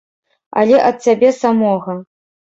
Але ад цябе самога.